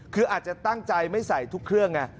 คืออาจจะตั้งใจไม่ใส่ทุกเครื่องไง